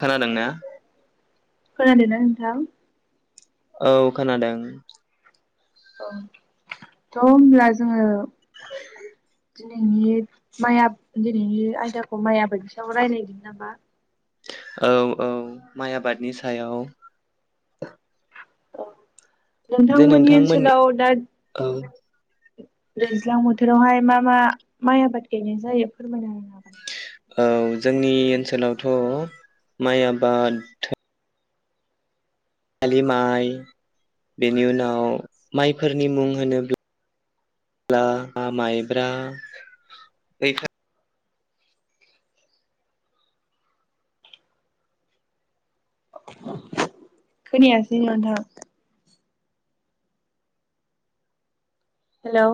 खोनादोंना? खोनादों ना नोंथां? औ खोनादों औ थ' होनब्ला जोङो दिनैनि माइ आब दिनैनि आयदाखौ माइ आबादनि सायाव रायज्लायदिनि नामा औ औ माइ आबादनि सायाव औ नोंथांमोननि ओनसोलाव दा औ दैज्लां बोथोरावहाय मा मा माइ आबाद गायनाय जायो फोरमायना होनो हागोन नामा? औ जोंनि ओनसोलावथ' माइ आबाद सालि माइ बेनि उनाव माइफोरनि मुं होनो [inaudible] ब्ला माइब्रा गै खोनायासै नोंथां हेलौ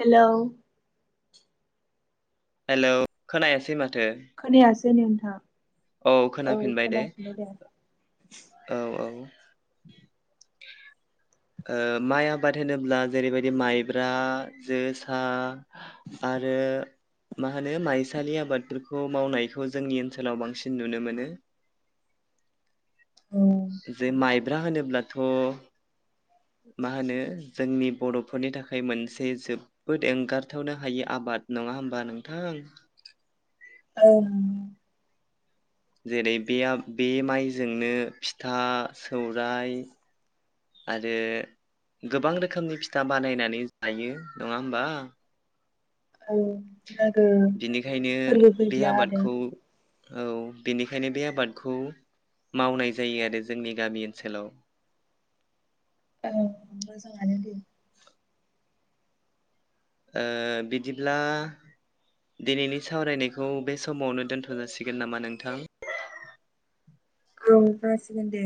हेलौ हेलौ खोनायासै माथ खोनाया सै नोंथां औ खोनाफिनबाय दे। औ औ ओ माइ आबाद होनोब्ला जेरैबायदि माइब्रा, जोसा आरो मा होनो माइसालि आबादफोरखौ मावनायखौ जोंनि ओनसोलाव बांसिन नुनो मोनो। ओं जे माइ ब्रा होनोब्लाथ' मा होनो जोंनि बर'फोरनि थाखाय मोनसे जोबबोद एंगारथावनो हायि आबाद नङा होमबा नोंथां? ओं जेरै बे आब बे माइजोंनो फिथा सौराय आरो गोबां रोखोमनि फिथा बानायनानै जायो नङा होमबा? औ लोगो बिनिखायनो फोरबो बे फैब्ला आरो। आबादखौ औ बेनिखायनो बे आबादखौ मावनाय जायो आरो जोंनि गामि ओनसोलाव। ओं मोजाङानो दे। ओ बिदिब्ला दिनैनि सावरायनायखौ बे समावनो दोनथ' जासिगोन नामा नोंथां? औ जासिगोन दे।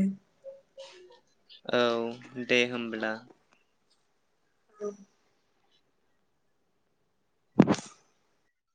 औ दे होमब्ला। औ